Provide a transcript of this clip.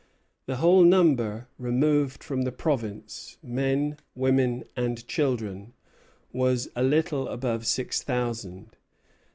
The whole number removed from the province, men, women, and children, was a little above six thousand.